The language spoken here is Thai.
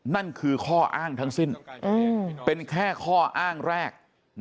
นั่นคือข้ออ้างทั้งสิ้นเป็นแค่ข้ออ้างแรก